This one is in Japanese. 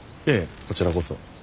いえこちらこそ。